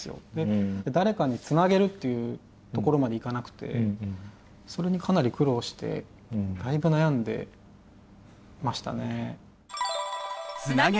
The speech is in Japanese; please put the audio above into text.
誰かにつなげるっていうところまでいかなくてそれにかなり苦労してだいぶ悩んでましたね。